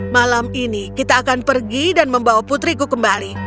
malam ini kita akan pergi dan membawa putriku kembali